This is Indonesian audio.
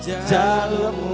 rapat dengan ku